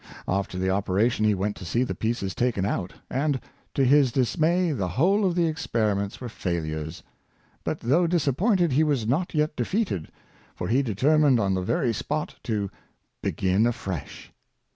After the opera tion he went to see the pieces taken out, and, to his dis may, the whole of the experiments were failures. But, though disappointed, he was not yet defeated, for he de termmed on the very spot to " begin afresh."